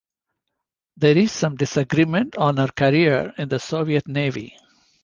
There is some disagreement on her career in the Soviet Navy.